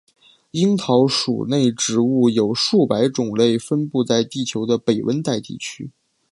樱桃属内植物有数百种类分布在地球的北温带地区。